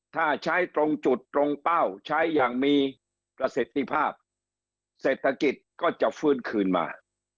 ถ้าใช้ตรงจุดตรงเป้าใช้อย่างมีประสิทธิภาพเศรษฐกิจก็จะฟื้นคืนมา